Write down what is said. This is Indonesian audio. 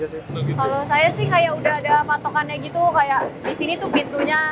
kalau saya sih kayak udah ada patokannya gitu kayak di sini tuh pintunya